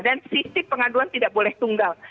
dan sistem pengaduan tidak boleh tunggal